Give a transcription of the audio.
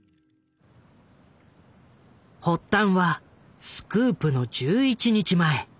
発端はスクープの１１日前。